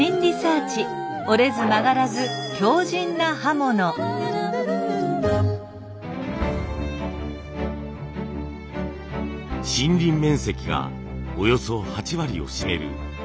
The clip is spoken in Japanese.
森林面積がおよそ８割を占める高知県。